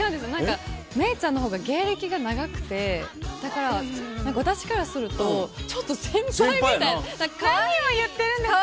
なんか芽郁ちゃんのほうが芸歴が長くて、だから、私からすると、何を言ってるんですか。